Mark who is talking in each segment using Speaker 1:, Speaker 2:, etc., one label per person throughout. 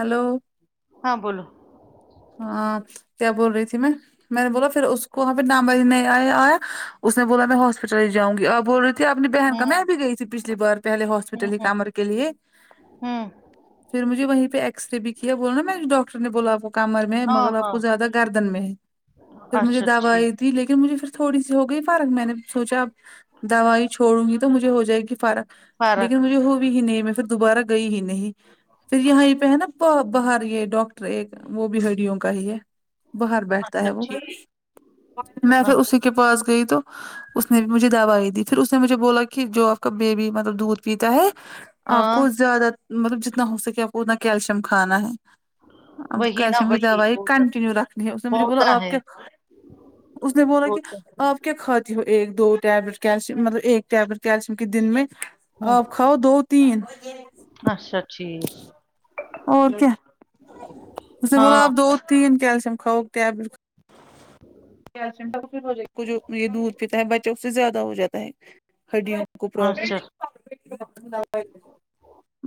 Speaker 1: hello
Speaker 2: ہاں بولو
Speaker 1: ہاں کیا بول رہی تھی میں میں نے بولا پھر اس کو وہاں پہ نمبر ہی نہیں آیا اس نے بولا میں ہاسپٹل ہی جاؤں گی اب بول رہی تھی اپنی بہن کا میں
Speaker 2: ہوں
Speaker 1: بھی گئی تھی پچھلی بار پہلے
Speaker 2: ہوں
Speaker 1: ہاسپٹل ہی
Speaker 2: ہوں
Speaker 1: کمر کے لیے
Speaker 2: ہوں
Speaker 1: پھر مجھے وہیں پہ ایکسرے بھی کیا بولا نا میں اس ڈاکٹر نے بولا کو کمر میں
Speaker 2: ہاں
Speaker 1: مگر آپ
Speaker 2: ہاں
Speaker 1: کو زیادہ گردن میں ہے پھر مجھے
Speaker 2: اچھا ٹھیک
Speaker 1: دوائی تھی لیکن مجھے پھر تھوڑی سی ہو گئی فرق میں نے سوچا اب دوائی چھوڑوں گی تو مجھے ہو جائے گی فرق لیکن
Speaker 2: فرق
Speaker 1: مجھے ہوںی بھی نہیں مطلب دوبارہ گئی ہی نہیں پھر یہاں یہ پہ ہے نا باہر یہ ڈاکٹر ایک وہ بھی ہڈیوں کا ہی ہے باہر بیٹھتا
Speaker 2: اچھا
Speaker 1: ہے وہ
Speaker 2: ٹھیک
Speaker 1: میں پھر
Speaker 2: اچھا
Speaker 1: اسی کے پاس گئی تو اس نے بھی مجھے دوائی دی پھر اس نے مجھے بولا کہ جو آپ کا بیبی مطلب دودھ پیتا ہے آپ
Speaker 2: ہاں
Speaker 1: کو زیادہ مطلب جتنا ہو سکے آپ کو اتنا کیلشیم کھانا ہے اب
Speaker 2: وہی نا
Speaker 1: کیلشیم کی
Speaker 2: وہی
Speaker 1: دوائی
Speaker 2: ہوتا
Speaker 1: کنٹینیو رکھنی ہے اس نے مجھے بولا
Speaker 2: ہوتا
Speaker 1: آپ
Speaker 2: ہے
Speaker 1: کیا اس نے بولا کہ
Speaker 2: ہوتا
Speaker 1: آپ کیا کھاتی ہو ایک دو ٹیبلٹ کیلشیم مطلب ایک ٹیبلٹ کیلشیم کے دن میں
Speaker 2: ہوں
Speaker 1: آپ کھا دو تین
Speaker 2: اچھا ٹھیک
Speaker 1: اور کیا اسنے بولا
Speaker 2: ہاں
Speaker 1: آپ دو تین کیلشیم کھاؤ ٹیبلٹ ائے جو یہ دودھ پیتا ہے بچہ اس سے زیادہ ہو جاتا ہے ہڈیاں کو
Speaker 2: اچھا
Speaker 1: پروابلم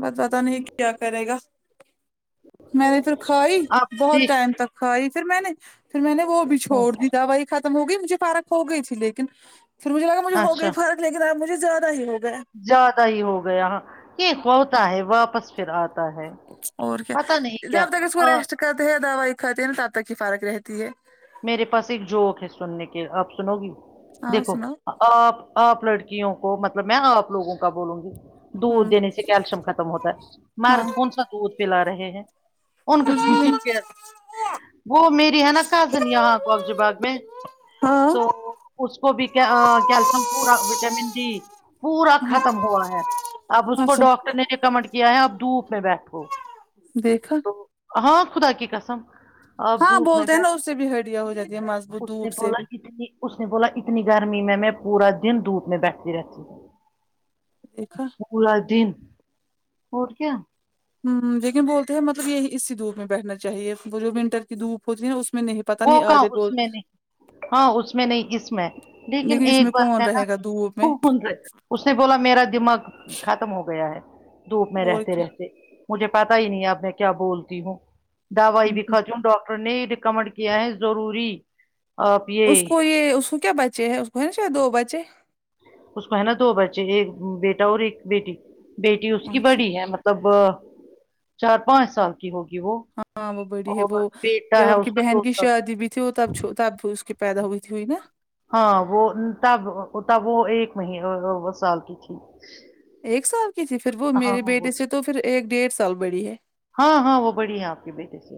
Speaker 1: بس پتہ نہیں کہ کیا کرے گا میں نے پھر کھائی
Speaker 2: اب
Speaker 1: بہت
Speaker 2: دیکھ
Speaker 1: ٹائم تک کھائی پھر میں نے پھر میں نے وہ بھی
Speaker 2: ہوں
Speaker 1: چھوڑ دی دوائی ختم ہو گئی مجھے فرق ہو گئی تھی لیکن پھر مجھے لگا مجھے ہو
Speaker 2: اچھا
Speaker 1: گئی فرق لیکن آپ مجھے زیادہ ہی ہو گیا
Speaker 2: زیادہ ہی ہو گیا ہاں یہ ہوتا ہے واپس پھر آتا ہے
Speaker 1: اور کیا
Speaker 2: پتا نہیں کیا
Speaker 1: جب تک اس کو
Speaker 2: آ
Speaker 1: ریسٹ کرتے ہیں دوائی کھاتے ہیں تب تک ہی فرق رہتی ہے
Speaker 2: میرے پاس ایک جوک ہے سننے کے آپ سنو گی
Speaker 1: ہاں
Speaker 2: دیکھو
Speaker 1: سناؤ
Speaker 2: آپ آپ لڑکیوں کو مطلب میں آپ لوگوں کا بولوں گی دودھ
Speaker 1: ہوں
Speaker 2: دینے سے کیلشیم ختم ہوتا ہے
Speaker 1: ہاں
Speaker 2: مرد کون سا دودھ پلا رہے ہیں ان کا ہی کیا وہ میری ہے نا کزن یہاں کوکج باغ میں
Speaker 1: ہاں
Speaker 2: تو اس کو بھی کیلشیم پورا وٹامن ڈی پورا ختم ہوا ہے اب اس کو
Speaker 1: اچھا
Speaker 2: ڈاکٹر نے ریکمنڈ کیا ہے اب دھوپ میں بیٹھو
Speaker 1: دیکھا
Speaker 2: تو ہاں خدا کی قسم آپ
Speaker 1: ہاں
Speaker 2: دھوپ میں
Speaker 1: بولتے
Speaker 2: بیٹھ
Speaker 1: ہیں نا اس سے بھی ہڈیاں ہو جاتی ہے مض
Speaker 2: اس نے بولا اتنی اس نے بولا اتنی گرمی میں میں پورا دن دھوپ میں بیٹھتی رہتی
Speaker 1: دیکھا
Speaker 2: پلادین ہوٹ کیا
Speaker 1: ہمم لیکن بولتے ہیں مطلب یہی اسی دھوپ میں بیٹھنا چاہیے وہ جو ونٹر کی دھوپ ہوتی ہے نا اس میں نہیں پتا
Speaker 2: وہ
Speaker 1: نہیں
Speaker 2: کہ
Speaker 1: آدھے
Speaker 2: اس
Speaker 1: بولتے
Speaker 2: میں نے ہاں اس میں نہیں اس میں لیکن
Speaker 1: اس
Speaker 2: ایک
Speaker 1: میں
Speaker 2: بات
Speaker 1: کون
Speaker 2: ہے نا
Speaker 1: رہے گا دھوپ میں
Speaker 2: [unintelligible] خ اس نے بولا میرا دماغ ختم ہو گیا ہے دھوپ میں
Speaker 1: اور
Speaker 2: رہتے رہتے مجھے پتا ہی نہیں اب میں کیا بولتی ہوں دوائی بھی
Speaker 1: کیا
Speaker 2: خرچ ڈاکٹر نے ریکمنڈ کیا ہے ضروری
Speaker 1: اس کو یہ اس کو کیا بچے ہیں اس کو ہے نا شاید دو بچے
Speaker 2: اس کو ہے نا دو بچے ایک بیٹا اور ایک بیٹی بیٹی اس کی
Speaker 1: اچھا
Speaker 2: بڑی ہے مط تب چار پانچ سال کی ہوگی وہ
Speaker 1: ہاں وہ بڑی ہے وہ
Speaker 2: اور بیٹا
Speaker 1: جب
Speaker 2: ہے
Speaker 1: آپ
Speaker 2: اس
Speaker 1: کی
Speaker 2: کا
Speaker 1: بہن
Speaker 2: دو
Speaker 1: کی
Speaker 2: سال
Speaker 1: شادی بھی تھیو تب چ تب بھی اس کے پیدا ہوتی ہوئی ن
Speaker 2: ہاں وہ تب تب وہ ایک مہینے سال کی تھی
Speaker 1: ایک سال کی تھی پھر وہ
Speaker 2: ہاں
Speaker 1: میرے
Speaker 2: وہ
Speaker 1: بیٹے سے تو پھر ایک ڈیڑھ سال بڑی ہے
Speaker 2: ہاں ہاں وہ بڑی ہے آپ کے بیٹے سے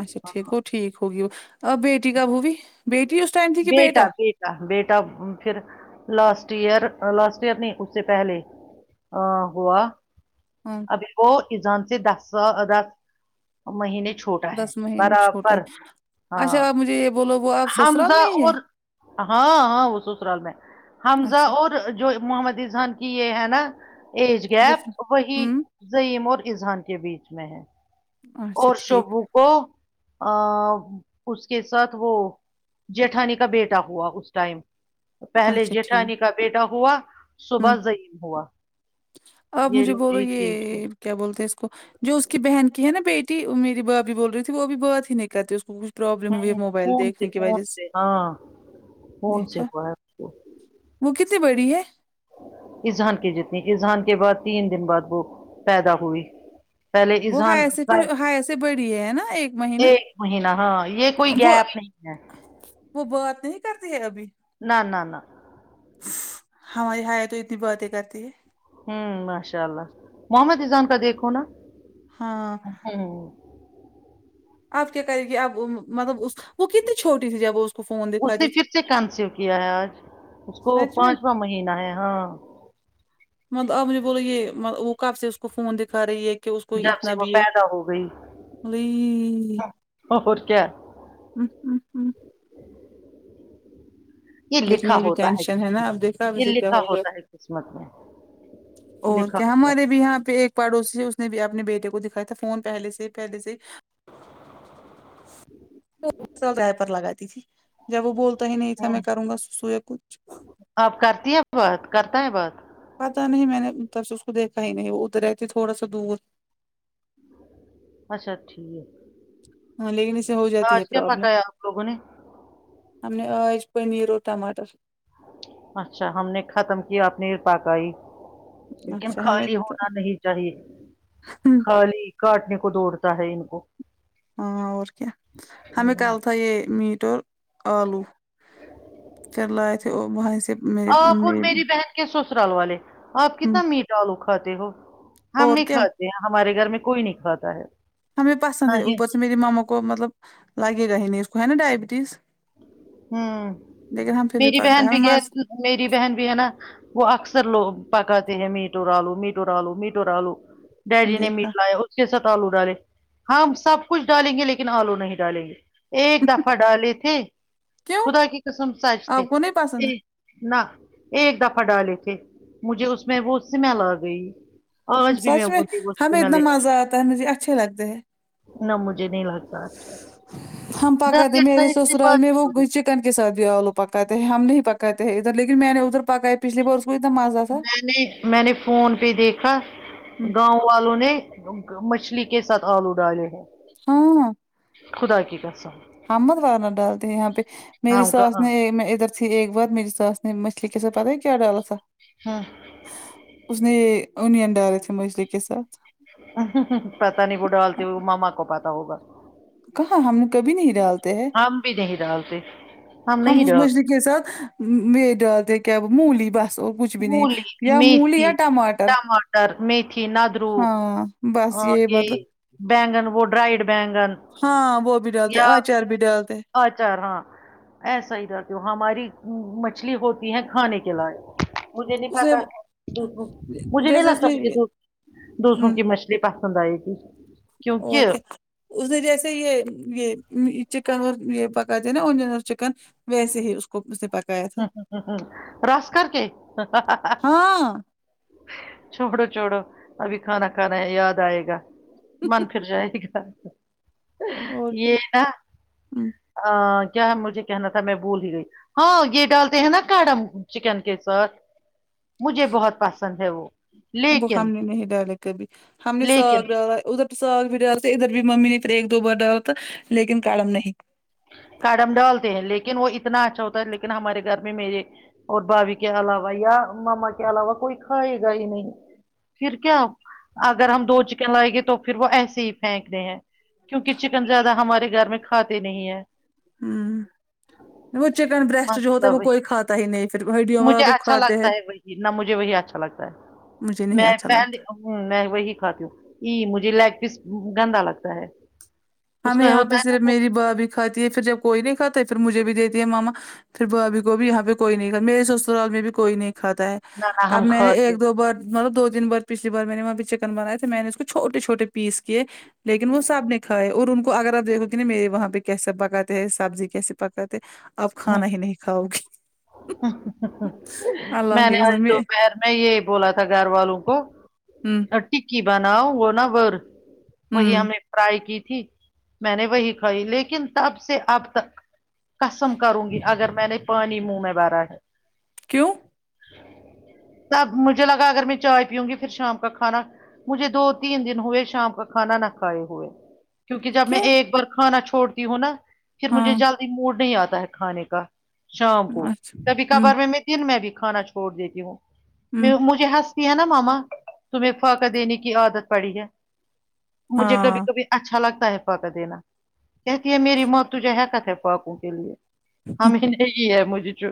Speaker 1: اچھا
Speaker 2: ہاں
Speaker 1: ٹھیک
Speaker 2: ہاں
Speaker 1: وہ ٹھیک ہوگی وہ آ بیٹی کب ہوئی بیٹی اس ٹائم تھی کہ
Speaker 2: بیٹا بیٹ بیٹا پھر لاسٹ ایئر لاسٹ ایئر نہیں اس سے پہلے ہاں ہوا
Speaker 1: ہاں
Speaker 2: ابھی کو ایزان سے دس دس مہینے چھوڑ
Speaker 1: دس مہینے چھوٹا
Speaker 2: برابر
Speaker 1: ہے
Speaker 2: ہاں
Speaker 1: اچھا آپ مجھے یہ بولو ب آپ سسرال
Speaker 2: حمزہ
Speaker 1: میں ہی ہے
Speaker 2: اور ہاں ہاں وہ سسرال میں حمزہ
Speaker 1: اچھا
Speaker 2: اور جو محمد ازان یہ ہے نا ایج گیپ
Speaker 1: ڈفرنٹ
Speaker 2: وہی
Speaker 1: ہوں
Speaker 2: زئیم اور اذہان کے بیچ میں ہے
Speaker 1: اچھا
Speaker 2: اور
Speaker 1: ٹھیک
Speaker 2: شوبو کو اس کے ساتھ وہ جیٹھانی کا بیٹا ہوا اس ٹائم پہلے
Speaker 1: اچھا ٹھیک
Speaker 2: جیٹھانی کا بیٹا ہوا صبح
Speaker 1: ہوں
Speaker 2: زئیم ہوا
Speaker 1: آپ
Speaker 2: یہ
Speaker 1: مجھے
Speaker 2: لوگ
Speaker 1: بولو
Speaker 2: ایک ایج
Speaker 1: گے
Speaker 2: پہ
Speaker 1: کیا بولتے ہیں اس کو جو اس کی بہن کی ہے نا بیٹی میری بھابی بول رہی تھی وہ بھی بات ہی نہیں کرتی اس کو پروابلم ہوئی ہے
Speaker 2: ہیں
Speaker 1: موبائل
Speaker 2: فون سے
Speaker 1: دیکھنے کی
Speaker 2: فون
Speaker 1: وجہ سے
Speaker 2: ہاں فون سے
Speaker 1: دیکھا
Speaker 2: ہوا ہے اس کو
Speaker 1: وہ کتنی بڑی ہے
Speaker 2: اذہان کی جتنی اذہان کے بعد تین دن بعد وہ پیدا ہوئی پہلے
Speaker 1: وہ
Speaker 2: اذان
Speaker 1: ہایا سے پھر ہایا سے بڑی ہے نا مہینہ
Speaker 2: ایک مہینہ ہاں یہ کوئی
Speaker 1: وہ
Speaker 2: گیپ نہیں ہے
Speaker 1: وہ بات نہیں کرتی ہے ابھی
Speaker 2: نہ نہ نہ
Speaker 1: ہماری ہائے تو اتنی باتیں کرتی ہے
Speaker 2: ہوں ماشاء اللہ محمد ایذان کا دیکھو نا
Speaker 1: ہاں
Speaker 2: ہاوں
Speaker 1: اب کیا کرے گی اب مطلب اس وہ کتنی چھوٹی تھی جب اس کو فون
Speaker 2: اس نے
Speaker 1: دکھاتی تھی
Speaker 2: پھر سے کنسیو کیا ہے آج اس کو
Speaker 1: سچ میں
Speaker 2: پانچواں مہینہ ہے ہاں
Speaker 1: مطلب اپ نے بولا یہ وہ کب سے اس کو فون دکھا رہی ہے ایک کہ اس کو
Speaker 2: جب
Speaker 1: اتنا
Speaker 2: سے وہ
Speaker 1: بھی یہ
Speaker 2: پیدا ہو گئی
Speaker 1: ی
Speaker 2: اور کیا
Speaker 1: ہوں ہوں ہوں لیکن یہ بھی ٹینشن ہے نا اب دیکھا ابھی
Speaker 2: یہ
Speaker 1: سے کیا
Speaker 2: لکھا
Speaker 1: ہوگا
Speaker 2: ہوتا ہے قسمت میں
Speaker 1: اور
Speaker 2: لکھا
Speaker 1: کیا
Speaker 2: ہوتا
Speaker 1: ہمارے بھی یہاں پہ ایک پڑوسی اس نے بھی اپنے بیٹے کو دکھایا تھا فون پہل سے پہلے سے
Speaker 2: [unintelligible]
Speaker 1: گائے پر لگاتی تھی جب وہ بولتا ہی نہیں تھا میں کروں گا سصو یہ کچھ
Speaker 2: اب کرتی ہے بات کرتا ہے بات
Speaker 1: پتہ نہیں میں نے ادھر سے اس کو دیکھا ہی نہیں وہ ادھر رہتی تھوڑا سا دور
Speaker 2: اچھا ٹھیک
Speaker 1: ہاں لیکن اسے ہو جاتی ہے
Speaker 2: آج کیا
Speaker 1: پرابلم
Speaker 2: پکایا آپ لوگوں نے
Speaker 1: ہم نے آج پنیر اور ٹماٹر
Speaker 2: اچھا ہم نے ختم کیا اپنی پکائی لیکن
Speaker 1: اچھا ہمیں
Speaker 2: خالی
Speaker 1: تو-
Speaker 2: ہونا نہیں چاہیے خالی کاٹنے کو دوڑتا ہے ان کو
Speaker 1: ہاں اور کیا ہمیں کل تھا یہ میٹ اور آلو پھر لائے تھے وہاں سے میرے
Speaker 2: آپ اور
Speaker 1: مے
Speaker 2: میری بہن کے سسرال والے آپ کتنا میٹ آلو کھاتے ہو ہم
Speaker 1: اور
Speaker 2: نہیں
Speaker 1: کیا
Speaker 2: کھا تے ہمارے گھر میں کوئی نہیں کھاتا ہے
Speaker 1: ہمیں پسند ہے
Speaker 2: نہیں
Speaker 1: اوپر سے میری ماما کو مطلب لگے گا ہی نہیں اس کو ہے نا ڈائبٹیز
Speaker 2: ہوں
Speaker 1: لیکن ہم پھر
Speaker 2: میری
Speaker 1: پکا
Speaker 2: بہن
Speaker 1: ہے
Speaker 2: بھی گیا
Speaker 1: مز
Speaker 2: میری بہن بھی ہے نا وہ اکثر لوگ پکاتے ہیں میٹو رالو میٹو رالو میٹو رالو ڈیڈی نے
Speaker 1: دیکھا
Speaker 2: میٹ لائے اس کے ساتھ آلو ڈالے ہم سب کچھ ڈالیں گے لیکن آلو نہیں ڈالیں گے ایک دفہ ڈالے تھے
Speaker 1: کیوں
Speaker 2: خدا کی قسم سچ تھے
Speaker 1: آپ کو نہیں پسند
Speaker 2: نہ ایک دفہ ڈالے تھے مجھے اس میں وہ سمیل آ گئی آج بھی
Speaker 1: سچ میں
Speaker 2: مجھے وہ
Speaker 1: ہمیں
Speaker 2: سمیل
Speaker 1: اتنا مزہ
Speaker 2: یاد
Speaker 1: آتا ہے مجھے اچھے لگتے ہیں
Speaker 2: نہ مجھے نہیں لگتا اچھا
Speaker 1: ہم پکا د
Speaker 2: دس
Speaker 1: میرے
Speaker 2: سائڈ سے
Speaker 1: سسرال
Speaker 2: بات
Speaker 1: میں وہ
Speaker 2: ہو گئی
Speaker 1: گچک چکن کے ساتھ بھی آلو پکاتے ہیں ہم نہیں پکاتے ہیں ادھر لیکن میں نے ادھر پکائے پچھلی بار اس وہی تو مزہ تھا
Speaker 2: میں نے میں نے فون پہ دیکھا گاؤں والوں نے مچھلی کے ساتھ آلو ڈالے ہیں
Speaker 1: ہاں
Speaker 2: خدا کی قسم
Speaker 1: ہممدوارنا ڈالتے ہیں یہاں پہ میری
Speaker 2: ہم
Speaker 1: ساس
Speaker 2: کہاں
Speaker 1: نے ادھر سی ایک بار میری ساس نے مچھلی کے سات پتہ ہے کیا ڈالا تھا
Speaker 2: ہوں
Speaker 1: اس نے اونین ڈالے تھے مچھلی کے ساتھ
Speaker 2: پتہ نہیں وہ ڈالتی ہو ماما کو پتہ ہوگا
Speaker 1: کہاں ہم نے کبھی نہیں ڈالت
Speaker 2: ہم بھی نہیں ڈالتے ہم نہیں
Speaker 1: اس
Speaker 2: ڈالتے
Speaker 1: مچھلی کے سب میں ڈالتے کیا وہ مولی ڈالتے بس اور کچھ بھی نہیں
Speaker 2: مولی
Speaker 1: یا مولی یا ٹماٹر
Speaker 2: سر میں ھی نادرو
Speaker 1: ہاں بس
Speaker 2: اور یہ
Speaker 1: مطلب
Speaker 2: بینگن وہ ڈرائیڈ بینگن
Speaker 1: ہاں وہ بھی ڈالتے
Speaker 2: یا
Speaker 1: اچار بھی ڈالتے ہے
Speaker 2: آچار ہاں ایسا ہی [unintelligible] ہماری مچھلی ہوتی ہے کھانے کے لائق مجھے نہیں
Speaker 1: اس نے
Speaker 2: پتہ تھا دوسوں مجھے نہیں
Speaker 1: جیسے اس
Speaker 2: لگتا
Speaker 1: نے
Speaker 2: مجھے دوسروں
Speaker 1: ہمم
Speaker 2: کی مچھلی پسند آئے گی
Speaker 1: اور
Speaker 2: کیونکہ
Speaker 1: کیا اس نے جیسے یہ یہ چکن اور یہ پکاتے نا انڈین اور چکن ویسے ہی اس کو اسے پتہ ہے
Speaker 2: ہ ہ ہ ہ رس کر کہ
Speaker 1: ہاں
Speaker 2: چھوڑو چھوڑو ابھی کھانا کھا رہے ہے یاد آئے گا من پھر جائے گا
Speaker 1: اور
Speaker 2: یہ
Speaker 1: کیا
Speaker 2: نا
Speaker 1: ہم-
Speaker 2: ا کیا مجھے کہنا تھا میں بھول ہی گئی ہاں یہ ڈالتے ہیں نا کڑم چکن کے ساتھ مجھے بہت پسند ہے وہ
Speaker 1: وہ ہم
Speaker 2: لیکن
Speaker 1: نے نہیں ڈالے کبھی ہم نے
Speaker 2: لیکن
Speaker 1: سب دالا ادھر ساگ بھی ڈالتے ادھر بھی ممی نے پھر ایک دو بار ڈا لا تھا لیکن کڑم نہیں
Speaker 2: کاڈم ڈالتے ہیں لیکن وہ اتنا اچھا ہوتا ہے لیکن ہمارے گھر میں میرے اور بھابی کے علاوہ یا ماما کے علاوہ کوئی کھائے گا ہی نہیں پھر کیا اگر ہم دو چکن لائیں گے تو پھر وہ ایسے ہی پھینک تے ہیں کیونکہ چکن زیادہ ہمارے گھر میں کھاتے نہیں ہے
Speaker 1: ام وہ چکن بریسٹ جو ہوتا ہے
Speaker 2: مسئلہ
Speaker 1: وہ
Speaker 2: وہی
Speaker 1: کوئی کھاتا ہی نہیں پھر ہڈیوں والا تو کھاتے ہیں
Speaker 2: اتنا مجھے وہی اچھا لگتا ہے
Speaker 1: مجھے نہیں اچھا لگتا
Speaker 2: فیملی کو میں وہی کھاتی ہوں ا مجھے لیگ پیس گندا لگتا ہے اس
Speaker 1: ہمیں
Speaker 2: کا
Speaker 1: یہاں پہ
Speaker 2: ہوتا ہے نا
Speaker 1: صرف
Speaker 2: وہ
Speaker 1: میری بابھی کھاتی ہے پھر جب کوئی نہیں کھاتا ہے پھر مجھے بھی دیتی ہے ماما پھر بھابھی کو بھی یہاں پہ کوئی نہیں کھا میرے سسرال میں بھی کوئی نہیں کھاتا ہے
Speaker 2: نہ نہ
Speaker 1: اب
Speaker 2: ہم
Speaker 1: میں نے
Speaker 2: کھاتے
Speaker 1: ایک دو بار مطلب دو دن بار پچھلی بار میں نے وہاں پہ چکن بنائے تھے میں نے اس کو چھوٹے چھوٹے پیس کیے لیکن وہ سب نے کھائے اور ان کو اگر آپ دیکھو گے نا میرے وہاں پہ کیسا پکاتے سبزی کیسے پکاتے آپ کھانا ہی نہیں کھاؤ گی
Speaker 2: ہ ہ ہ
Speaker 1: اللہ
Speaker 2: میں نے
Speaker 1: کی
Speaker 2: آج
Speaker 1: قسم
Speaker 2: دوپہر میں یہی بولا تھا گھر والوں کو
Speaker 1: ہم
Speaker 2: ٹکی بناؤ وہ نا ور وہی ہم
Speaker 1: ہمم
Speaker 2: نے فرائی کی تھی میں نے وہی کھائی لیکن تب سے اب تک چم کروں گی اگر میں نے پانی منہ میں بھرا ہے
Speaker 1: کیوں
Speaker 2: تب مجھے لگا اگر میں چائے پیوں گی پھر شام کا کھانا مجھے دو تین دن ہوئے شام کا کھانا نہ کھائے ہوئے کیونکہ جب میں
Speaker 1: کیوں
Speaker 2: ایک بار کھانا چھوڑتی ہوں نا پھر مجھے
Speaker 1: ہاں
Speaker 2: جلدی موڈ نہیں آتا ہے کھانے کا شام کو
Speaker 1: اچھا
Speaker 2: کبھی
Speaker 1: ہمم
Speaker 2: کبھار مے میں دن میں بھی کھانا چھوڑ دیتی ہوں
Speaker 1: ہمم
Speaker 2: میں مجھ یہ ہنستی ہے نا ماما تمہیں فاکا دینے کی عادت پڑی ہے مجھے کبھی
Speaker 1: ہاں
Speaker 2: کبھی اچھا لگتا ہے پاکا دینا کہتی ہے میری موت تجھے ہے کتے پاپوں کے لیے ہمیں نہیںی ہے مجھے جو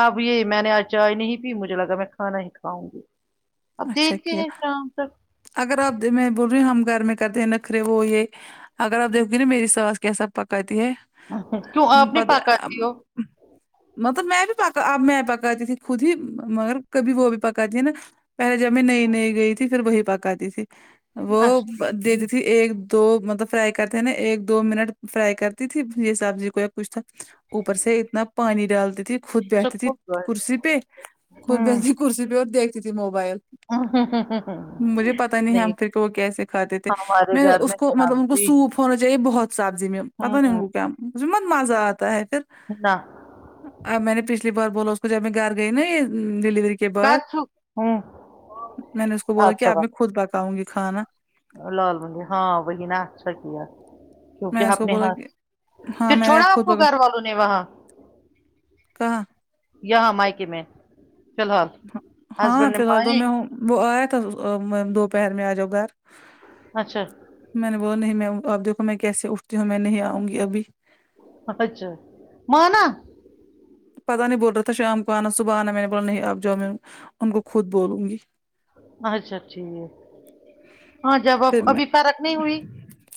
Speaker 2: اب یہ میں نے آج چائے نہیں پی مجھے لگا میں کھانا ہی کھاؤں گی اب
Speaker 1: اچھا
Speaker 2: دیکھتے
Speaker 1: کیا
Speaker 2: ہیں شام تک
Speaker 1: اگر آپ دل میں وہ بھی ہم گھر میں کرتے ہیں نکھرے وہ یہ اگر آپ دیکھو گے نا میری ساس کیسا پکاتی ہے
Speaker 2: کیوں آپ نی
Speaker 1: پت- ام،
Speaker 2: پاکاتی ہو
Speaker 1: مطلب میں بھی پکا اب میں پکات ا میں پکاتی تھی خود ہی مگر کبھی وہ بھی پکاتی ہے نا پہلے جب میں نئی نئی گئی تھی پھر وہی پکاتی تھی وہ
Speaker 2: اچھا
Speaker 1: د دیتی تھی ایک دو مطلب فرائی کرتے ہیں نا ایک دو منٹ فرائی کرتی تھی یہ سبزی کو یا کچھ تھا اوپر سے اتنا پانی ڈالتی تھی خود بیٹھتی تھی کرسی پہ خود بیٹھتی تھی کرسی پہ اور دیکھتی تھی موبائل
Speaker 2: ہوں ہوں ہوں ہوں
Speaker 1: مجھے پتاہ نہیں ہم پھر کہ وہ کیسے کھاتے تھے
Speaker 2: ہمارے
Speaker 1: میں
Speaker 2: گھر
Speaker 1: اس کو مطلب ان کو
Speaker 2: سبزی
Speaker 1: سوپ ہونا چاہیے بہت سبزی میں پتاہ نہیں
Speaker 2: ہوں
Speaker 1: انکو کیا مت مزہ آتا ہے پھر
Speaker 2: نہ
Speaker 1: اب میں نے پچھلی بار بولا نہ اس کو جب میں گھر گئی نا یہ ڈلیوری کے بعد
Speaker 2: کچو ہوں
Speaker 1: میں نے اس کو بولا کہ
Speaker 2: اچھا
Speaker 1: اب میں خود پکاؤں گی کھانا
Speaker 2: لال مندی ہاں وہہ نا اچھا کیا تو
Speaker 1: میں
Speaker 2: کیا
Speaker 1: اس
Speaker 2: آپ
Speaker 1: کو
Speaker 2: نے
Speaker 1: بولا
Speaker 2: ہاں
Speaker 1: کہ ہاں
Speaker 2: پھر
Speaker 1: میں نے
Speaker 2: چھوڑا
Speaker 1: اب
Speaker 2: آپ
Speaker 1: خود
Speaker 2: کو
Speaker 1: پکا
Speaker 2: گھر والوں نے وہاں
Speaker 1: کہاں
Speaker 2: یہاں مائکے میں فی الحال
Speaker 1: ہاں
Speaker 2: ہسبینڈ نے
Speaker 1: فی الحال تو
Speaker 2: مانے
Speaker 1: میں ہوں وہ آیا تھا دوپہر میں آ جاؤ گھر
Speaker 2: اچھا
Speaker 1: میں نے بولا نہیں م اب دیکھو میں کیسے اٹھتی ہوں میں نہیں آؤں گی ابھی
Speaker 2: اپچھا مانا
Speaker 1: پتا نہیں بول رہا تھا شام کو آنا صبح آنا میں نے بولا نہیں اب جاؤ میں ان کو خود بولوں گی
Speaker 2: اچھا ٹھیک ہے ہاں جب اب
Speaker 1: پھر میں
Speaker 2: ابھی فرق نہیں ہوئی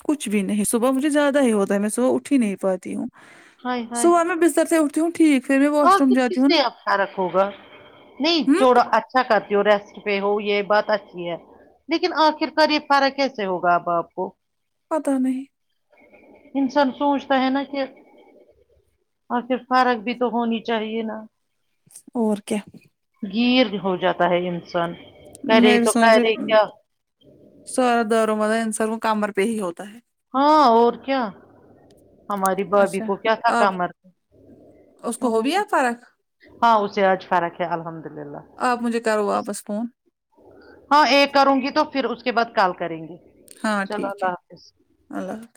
Speaker 1: کچھ بھی نہیں صبح مجھے زیادہ ہی ہوتا ہے میں صبح اٹ ہی نہیں پاتی ہوں سبح میں بستر سے اٹھتی ہوں ٹھیک پھر میں
Speaker 2: اور
Speaker 1: واش روم
Speaker 2: کس کس
Speaker 1: جاتی ہوں نا
Speaker 2: سے آپ فارک ہوگا نہیں
Speaker 1: ہوں
Speaker 2: چوڑا اچھا کرتی ہو ریسٹ پہ ہو یہ بات اچھی ہے لیکن آخر کار یہ فارق کیسے ہوگا اب آپ کو
Speaker 1: پتا نہیں
Speaker 2: انسان سوچتا ہے نا کہ اور پھر فارق بھی تو ہونی چاہیے نا
Speaker 1: اور کیا
Speaker 2: گیر ہو جاتا ہے انسان کرے تو کرے کیا
Speaker 1: سر درد مرے ان سار کو کامر پہ ہی ہوتا ہے
Speaker 2: ہاں اور کیا ہماری بابھی
Speaker 1: اچھا
Speaker 2: کو کیا تھا
Speaker 1: آپ
Speaker 2: کامر
Speaker 1: اس کو ہوگیا فرق
Speaker 2: ہاں اسے آج فرق ہے الحمد للہ
Speaker 1: آپ مجھے کرو واپس فون
Speaker 2: ہاں ایک کروں گی تو پھر اس کے بعد کل کریں گے
Speaker 1: ہاں
Speaker 2: چلو
Speaker 1: ٹھیک
Speaker 2: اللہ
Speaker 1: ہے
Speaker 2: حافظ
Speaker 1: اللہ حافظ